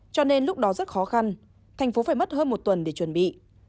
cho nên lúc đó rất khó khăn thành phố phải mất hơn một tuần để chuẩn bị